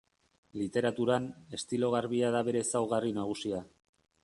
Literaturan, estilo garbia da bere ezaugarri nagusia.